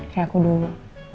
kayak aku dulu